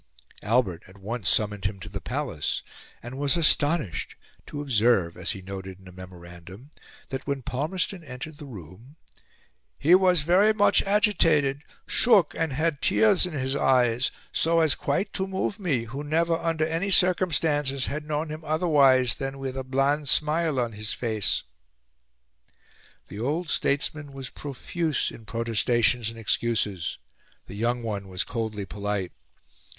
Albert at once summoned him to the Palace, and was astonished to observe, as he noted in a memorandum, that when Palmerston entered the room "he was very much agitated, shook, and had tears in his eyes, so as quite to move me, who never under any circumstances had known him otherwise than with a bland smile on his face." The old statesman was profuse in protestations and excuses; the young one was coldly polite.